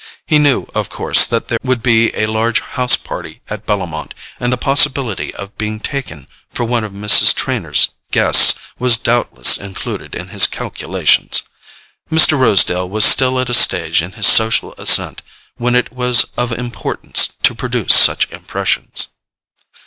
He knew, of course, that there would be a large house party at Bellomont, and the possibility of being taken for one of Mrs. Trenor's guests was doubtless included in his calculations. Mr. Rosedale was still at a stage in his social ascent when it was of importance to produce such impressions.